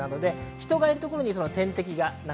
人がいるところに、敵がいる。